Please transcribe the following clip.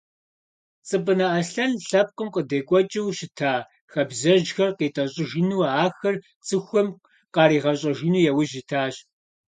Цӏыпӏынэ Аслъэн лъэпкъым къыдекӏуэкӏыу щыта хабзэжьхэр къитӏэщӏыжыну, ахэр цӏыхухэм къаригъэщӏэжыну яужь итащ.